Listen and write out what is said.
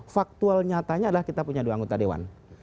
faktual nyatanya adalah kita punya dua anggota dewan